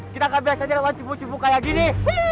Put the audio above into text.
kita gak biasanya lewat jubu jubu kayak gini